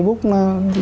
thì trên facebook